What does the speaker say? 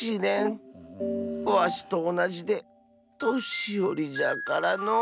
わしとおなじでとしよりじゃからのう。